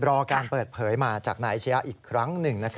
รอการเปิดเผยมาจากนายอาชญะอีกครั้งหนึ่ง